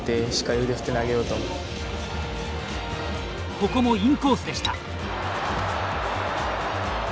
ここもインコースでした。